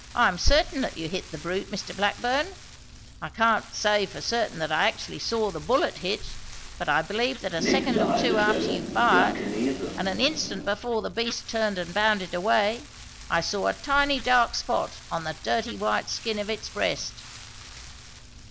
"I am certain that you hit the brute, Mr Blackburn. I can't say for certain that I actually saw the bullet hit, but I believe that a second or two after you fired, and an instant before the beast turned and bounded away, I saw a tiny dark spot on the dirty white skin of its breast."